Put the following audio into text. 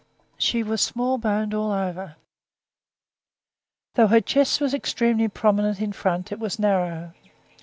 She was small boned all over; though her chest was extremely prominent in front, it was narrow.